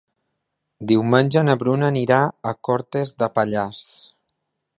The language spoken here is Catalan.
Diumenge na Bruna anirà a Cortes de Pallars.